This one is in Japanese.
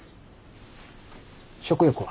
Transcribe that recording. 食欲は？